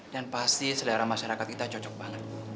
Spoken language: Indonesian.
dan pasti selera masyarakat kita cocok banget